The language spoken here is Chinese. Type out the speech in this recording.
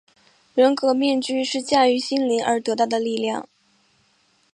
人格面具是驾驭心灵而得到的力量。